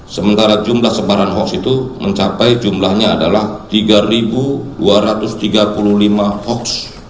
sementara jumlah sebaran hoax itu mencapai jumlahnya adalah tiga dua ratus tiga puluh lima hoax